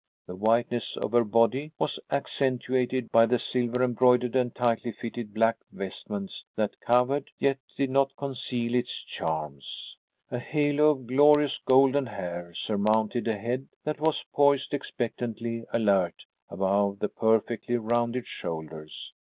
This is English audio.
The whiteness of her body was accentuated by the silver embroidered and tightly fitted black vestments that covered yet did not conceal its charms. A halo of glorious golden hair surmounted a head that was poised expectantly alert above the perfectly rounded shoulders.